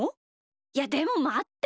いやでもまって。